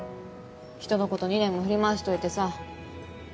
人のこと２年も振り回しといてさ。